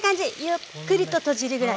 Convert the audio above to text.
ゆっくりと閉じるぐらい。